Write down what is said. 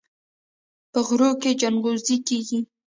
په غرونو کې ځنغوزي کیږي.